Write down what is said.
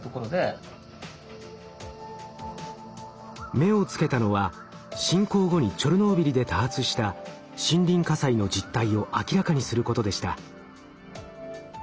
目をつけたのは侵攻後にチョルノービリで多発した森林火災の実態を明らかにすることでした。